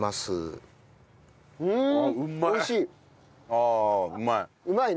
ああうまい。